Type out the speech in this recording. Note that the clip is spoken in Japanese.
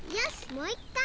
もういっかい！